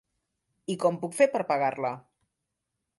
I com puc fer per pagar-la?